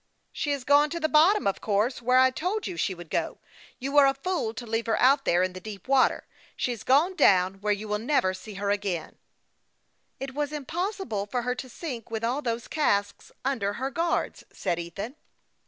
" She has gone to the bottom, of course, where I told you she would go. You were a fool to leave her out there in the deep water. She has gone down where you will never see her again." THE VoUNG PILOT OF LAKE CHAMPLA.IN. 167 " It was impossible for her to sink with all those casks under her guards," said Ethan.